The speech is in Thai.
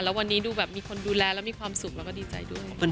แล้ววันนี้ดูแบบมีคนดูแลแล้วมีความสุขแล้วก็ดีใจด้วย